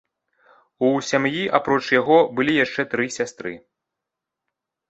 У сям'і, апроч яго, былі яшчэ тры сястры.